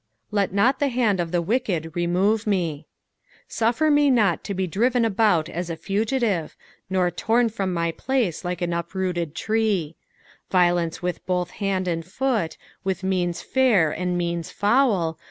"Let not the hand of the tricked remone me." Suffer me not to be driven about as a fugitive, nor torn from my place like an uprooted tree. Violence with both hand and foot, with means fair and means foul.